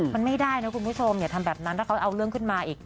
มันไม่ได้นะคุณผู้ชมอย่าทำแบบนั้นถ้าเขาเอาเรื่องขึ้นมาอีก